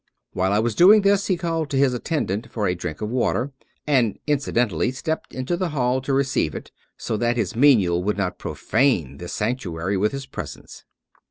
While I was doing this he called to his attendant for a drink of water, and incidentally stepped into the hall to receive it, so that his menial would not profane this sanc tuary with his presence.